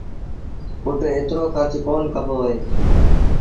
پُٽ ايترو کرچ ڪونا ڪبو اهي۔